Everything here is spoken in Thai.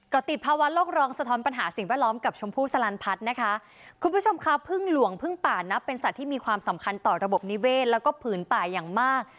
ก็ติดภาวะโลกร้องสะท้อนปัญหาสิ่งแวดล้อมกับชมพู่สลันพัฒน์นะคะคุณผู้ชมค่ะพึ่งหลวงพึ่งป่านับเป็นสัตว์ที่มีความสำคัญต่อระบบนิเวศแล้วก็ผืนป่าอย่างมาก